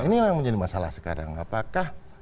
nah ini yang menjadi masalah sekarang apakah